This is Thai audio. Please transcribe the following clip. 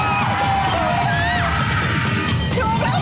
รู้สึก